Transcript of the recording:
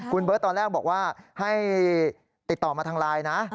คุณเบิร์ตตอนแรกบอกว่าให้ติดต่อมาทางไลน์นะ